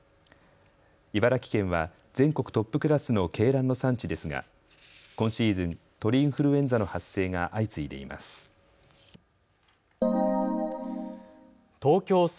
茨城県は全国トップクラスの鶏卵の産地ですが今シーズン、鳥インフルエンザの発生が相次いでいます。